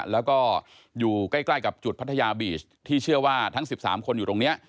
แล้วก็อยู่ใกล้กับจุดพัทยาบีชที่เชื่อว่าทั้ง๑๓คนอยู่ตรงนี้